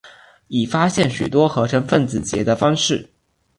已发现许多合成分子结的方式。